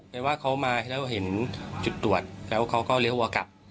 เพราะว่าเขามาแล้วเห็นจุดตรวจแล้วเขาก็เรียกว่ากลับ